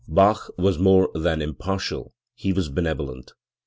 Bach was more than impartial: he was benevolent.